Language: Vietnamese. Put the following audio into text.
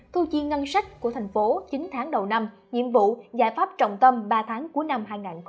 thu chiên ngân sách của tp hcm chín tháng đầu năm nhiệm vụ giải pháp trọng tâm ba tháng cuối năm hai nghìn hai mươi một